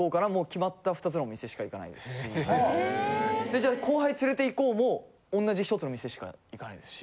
じゃあ後輩連れて行こうも同じ１つの店しか行かないですし。